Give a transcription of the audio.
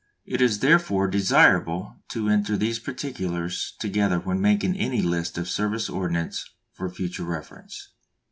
It is therefore desirable to enter these particulars together when making any list of service ordnance for future reference.